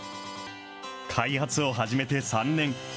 開発を始めて３年。